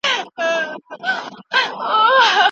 ايا موږ مرستي ته اړتيا لرو؟